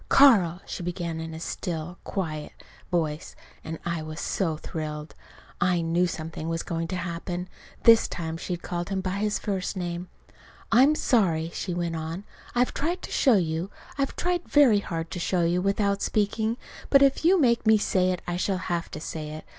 "Carl," she began in a still, quiet voice, and I was so thrilled. I knew something was going to happen this time she'd called him by his first name. "I'm sorry," she went on. "I've tried to show you. I've tried very hard to show you without speaking. But if you make me say it I shall have to say it.